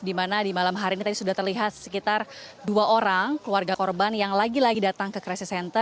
di mana di malam hari ini tadi sudah terlihat sekitar dua orang keluarga korban yang lagi lagi datang ke crisis center